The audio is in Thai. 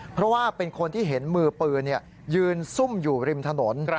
เพราะว่าเป็นคนที่เห็นมือปืนยืนซุ่มอยู่ริมถนน